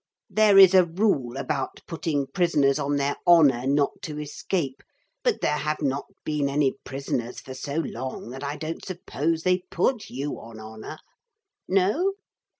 'There is a rule about putting prisoners on their honour not to escape, but there have not been any prisoners for so long that I don't suppose they put you on honour. No?